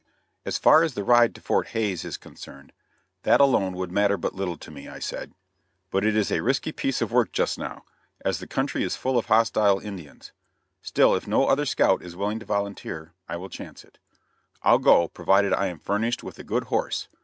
"As far as the ride to Fort Hays is concerned, that alone would matter but little to me," I said, "but it is a risky piece of work just now, as the country is full of hostile Indians; still if no other scout is willing to volunteer, I will chance it. I'll go, provided I am furnished with a good horse.